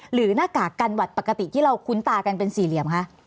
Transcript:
หน้ากากกันหวัดปกติที่เราคุ้นตากันเป็นสี่เหลี่ยมคะ